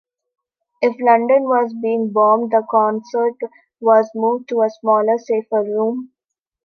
If London was being bombed, the concert was moved to a smaller, safer room.